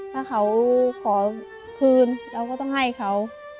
ถ้าเขาขอคืนเราก็ต้องให้เขา